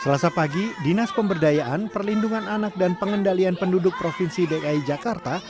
selasa pagi dinas pemberdayaan perlindungan anak dan pengendalian penduduk provinsi dki jakarta